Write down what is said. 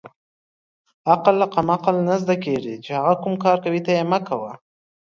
عقل له قمعل نه زدکیږی چی هغه کوم کار کوی ته یی مه کوه